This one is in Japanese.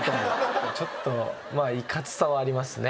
ちょっといかつさはありますね。